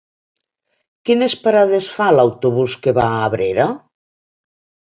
Quines parades fa l'autobús que va a Abrera?